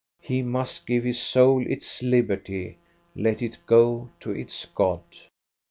He must give his soul its liberty, let it go to its God.